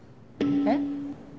えっ？